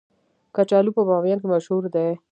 کچالو په بامیان کې مشهور دي